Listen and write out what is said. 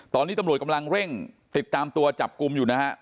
ตอนนี้ตำรวจกำลังเร่งติดตามตัวจับกลุ่มอยู่นะฮะ